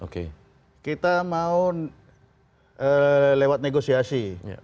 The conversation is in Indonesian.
kita mau lewat negosiasi